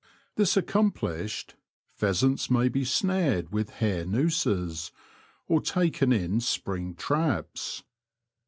This accomplished, pheasants may be snared with hair nooses, or taken in spring traps.